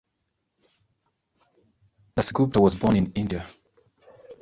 Das Gupta was born in India.